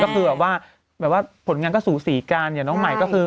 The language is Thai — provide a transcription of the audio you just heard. ก็คือแบบว่าแบบว่าแบบว่าผลงานก็สูสีกันอย่างน้องใหม่ก็คือ